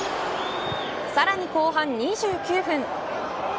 さらに後半２９分。